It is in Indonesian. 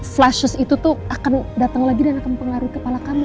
ketengahan itu tuh akan datang lagi dan akan mengaruhi kepala kamu